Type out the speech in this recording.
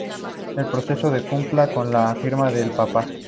El proceso concluía con la firma del papa.